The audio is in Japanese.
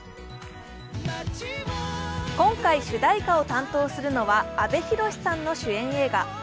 今回主題歌を担当するのは阿部寛さんの主演映画。